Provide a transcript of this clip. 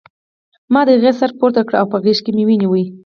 ما د هغې سر پورته کړ او په غېږ کې مې ونیو